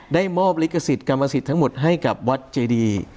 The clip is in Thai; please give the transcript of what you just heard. ได้มอบลิขสิทธิ์กรรมสิทธิ์ทั้งหมดให้กับวัดเจดี